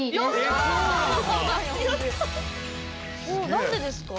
何でですか？